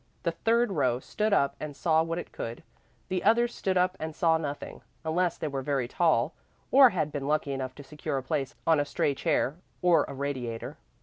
The third row stood up and saw what it could. The others stood up and saw nothing, unless they were very tall or had been lucky enough to secure a place on a stray chair or a radiator.